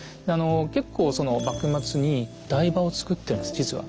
結構その幕末に台場を造ってるんです実は。